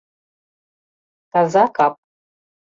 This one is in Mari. Таза кап